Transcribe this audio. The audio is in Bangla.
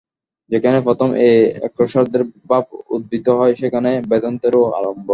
যেখানে প্রথম এই একেশ্বরবাদের ভাব উদিত হয়, সেইখানে বেদান্তেরও আরম্ভ।